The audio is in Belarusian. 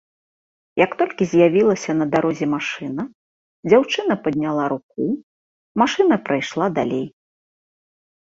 Як толькі з'явілася на дарозе машына, дзяўчына падняла руку, машына прайшла далей.